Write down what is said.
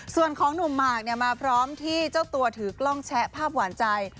ส่วนของหนุ่มหมากมาพร้อมที่เจ้าตัวถือกล้องแชะภาพหวานใจ